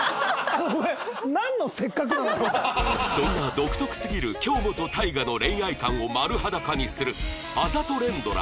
そんな独特すぎる京本大我の恋愛観を丸裸にするあざと連ドラ